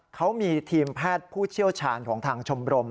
เขามีทีมแพทย์ผู้เชี่ยวชาญของทางชมรม